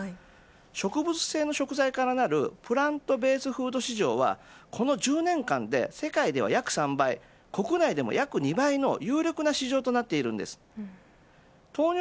植物性の食材からなるプラントベースフード市場はこの１０年間で世界では約３倍国内でも約２倍の有力な市場となっています。